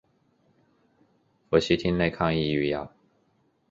氟西汀类抗抑郁药。